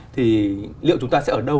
thì liệu chúng ta sẽ ở đâu